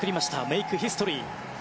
メイクヒストリー。